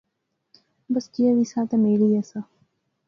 بس جیا وی سا تہ میل ایہہ سا